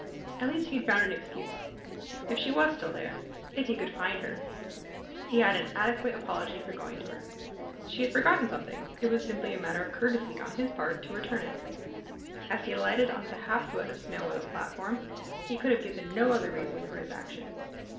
At least he had found an excuse; if she was still there if he could find her he had an adequate apology for going to her. She had forgotten something; it was simply a matter of courtesy on his part to return it. As he alighted into the half foot of snow on the platform he could have given no other reason for his action.